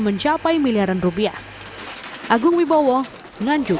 mencapai miliaran rupiah agung wibowo nganjuk